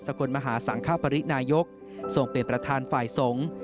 กลมหาสังคปรินายกทรงเป็นประธานฝ่ายสงฆ์